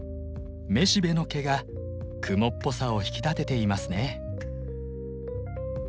雌しべの毛がクモっぽさを引き立てていますね。